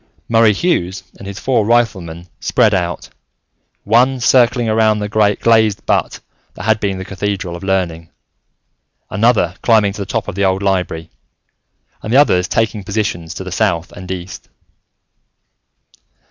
Murray Hughes and his four riflemen spread out, one circling around the glazed butte that had been the Cathedral of Learning, another climbing to the top of the old Library, and the others taking positions to the south and east.